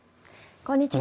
こんにちは。